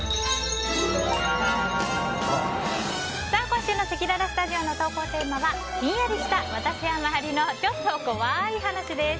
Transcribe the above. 今週のせきららスタジオの投稿テーマはヒンヤリした私や周りのちょっと怖い話です。